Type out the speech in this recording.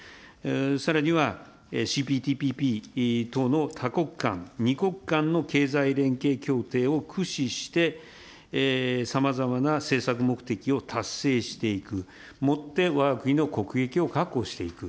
さらにはＣＰ、ＴＰＰ等の多国間、２国間の経済連携協定を駆使して、さまざまな政策目的を達成していく、もってわが国の国益を確保していく。